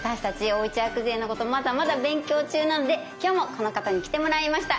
おうち薬膳のことまだまだ勉強中なんで今日もこの方に来てもらいました。